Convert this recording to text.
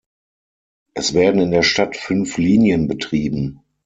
Es werden in der Stadt fünf Linien betrieben.